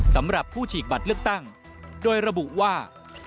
สำหรับผู้ฉีกบัตรเลือกตั้งโดยระบุว่า